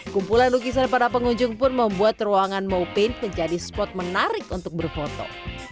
kumpulan lukisan para pengunjung pun membuat ruangan mopa menjadi spot menarik untuk berfoto